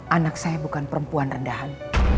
anak saya bukan perempuan rendahan